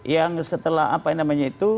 yang setelah apa namanya itu